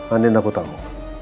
anin aku tahu